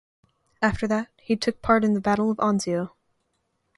After that he took part in the Battle of Anzio.